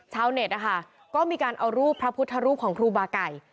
ชาวเน็ตนะคะก็มีการเอารูปพระพุทธรูปของครูบาไก่